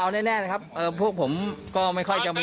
เอาแน่นะครับพวกผมก็ไม่ค่อยจะมี